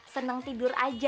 seneng tidur aja